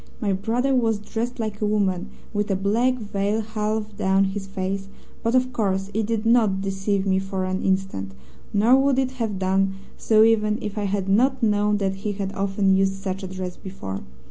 My brother was dressed like a woman, with a black veil half down his face, but of course it did not deceive me for an instant, nor would it have done so even if I had not known that he had often used such a dress before.